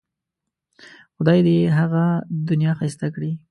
خدای دې یې هغه دنیا ښایسته کړي.